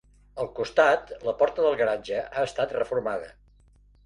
Al costat, la porta del garatge ha estat reformada.